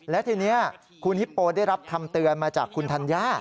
และทีนี้คุณฮิปโปได้รับคำเตือนมาจากคุณธัญญา